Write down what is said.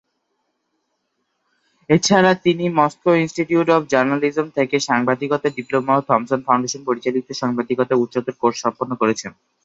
এছাড়া তিনি Moscow institute of journalism থেকে সাংবাদিকতায় ডিপ্লোমা ও থমসন ফাউন্ডেশন পরিচালিত সাংবাদিকতায় উচ্চতর কোর্স সম্পন্ন করেছেন।